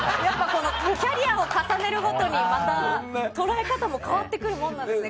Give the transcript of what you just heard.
キャリアを重ねるごとに、また捉え方も変わってくるんですね